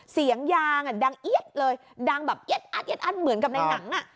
เสียงยางอ่ะดังเอี๊ยดเลยดังแบบเอ็ดอัดเอ็ดอัดเหมือนกับในหนังอ่ะ